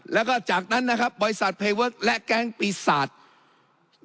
แล้วก็จากนั้นนะครับบริษัทเพเวิร์คและแก๊งปีศาจ